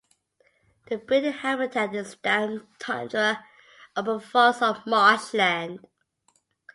The breeding habitat is damp tundra, open forest or marshland.